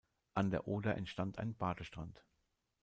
An der Oder entstand ein Badestrand.